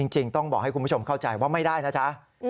จริงต้องบอกให้คุณผู้ชมเข้าใจว่าไม่ได้นะจ๊ะ